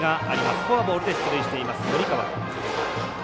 フォアボールで出塁している森川。